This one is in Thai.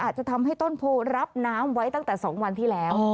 จะทำให้ต้นโพรับน้ำไว้ตั้งแต่๒วันที่แล้ว